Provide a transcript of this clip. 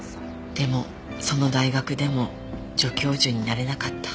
でもその大学でも助教授になれなかった。